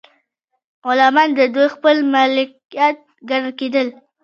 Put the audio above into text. غلامان د دوی خپل مالکیت ګڼل کیدل.